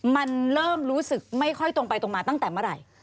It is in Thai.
มันเริ่มรู้สึกไม่ค่อยตรงไปตรงมาตั้งแต่เมื่อไหร่